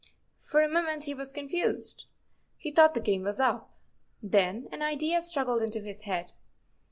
" For a moment he was confused. He thought the game was up. Then an idea struggled into his head.